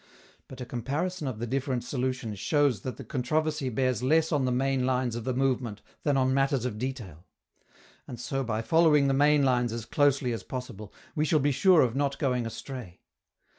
But a comparison of the different solutions shows that the controversy bears less on the main lines of the movement than on matters of detail; and so, by following the main lines as closely as possible, we shall be sure of not going astray.